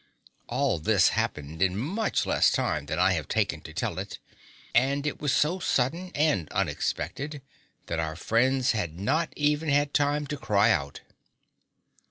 All this had happened in much less time than I have taken to tell it, and it was so sudden and unexpected that our friends had not even had time to cry out.